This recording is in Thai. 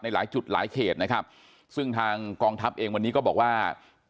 หลายจุดหลายเขตนะครับซึ่งทางกองทัพเองวันนี้ก็บอกว่า